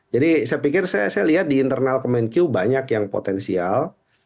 jadi saya pikir saya lihat di internal kemenkiw banyak yang potensial